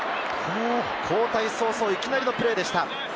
交代そうそう、いきなりのプレーでした。